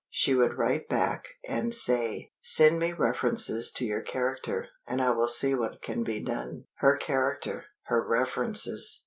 She would write back, and say, "Send me references to your character, and I will see what can be done." Her character! Her references!